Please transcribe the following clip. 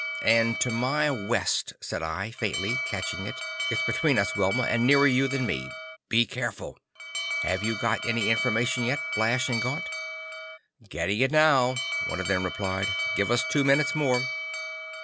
"And to my west," said I, faintly catching it. "It's between us, Wilma, and nearer you than me. Be careful. Have you got any information yet, Blash and Gaunt?" "Getting it now," one of them replied. "Give us two minutes more."